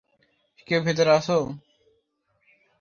কেউ ভেতরে আছো?